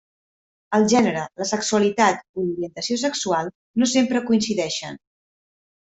El gènere, la sexualitat o l'orientació sexual no sempre coincideixen.